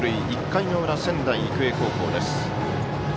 １回の裏、仙台育英高校です。